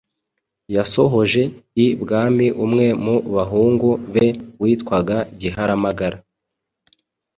yasohoje i bwami umwe mu bahungu be witwaga Giharamagara